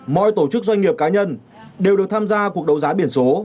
mọi tổ chức doanh nghiệp cá nhân đều được tham gia cuộc đấu giá biển số